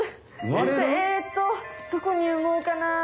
えっとどこに産もうかなあ？